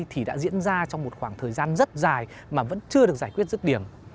thì đã diễn ra trong một khoảng thời gian rất dài mà vẫn chưa được giải quyết rứt điểm